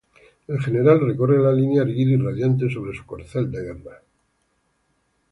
El general recorre la línea, erguido y radiante, sobre su corcel de guerra.